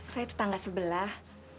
saya tetangga sebelah